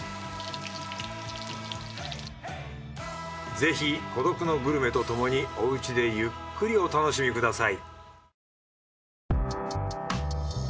ぜひ『孤独のグルメ』とともに家でゆっくりお楽しみください。